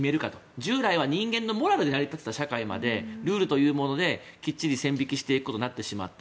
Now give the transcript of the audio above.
従来は人間のモラルで成り立っていた社会までルールというものできっちり線引きしていくことになってしまった。